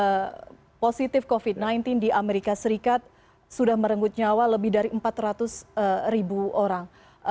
kasus positif covid sembilan belas di amerika serikat sudah merenggut nyawa lebih dari empat ratus ribu orang